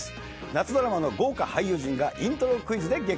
夏ドラマの豪華俳優陣がイントロクイズで激突します。